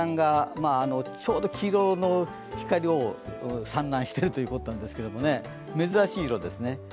ちょうど黄色の光を散乱しているということなんですけどね、珍しい色ですね。